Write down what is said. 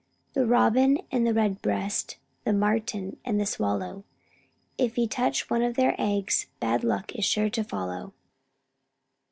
The Robin and the Redbreast, The Martin and the Swallow, If ye touch one of their eggs Bad luck is sure to follow."